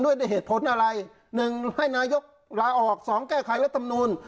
ด้วยหรือเหตุผลอะไรหนึ่งให้นายกออกสองแก้ไขและตำนูน